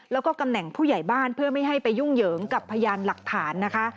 แล้วก็ตำแหน่งผู้ใหญ่บ้านเพื่อไม่ให้ไปยุ่งเหยิงกับพยานหลักฐานนะคะ